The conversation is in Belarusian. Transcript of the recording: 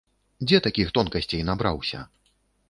Дзе такіх тонкасцей набраўся?